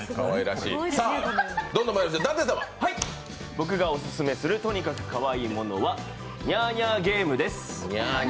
僕がオススメするとにかくかわいいものは「ニャーニャーゲーム」です。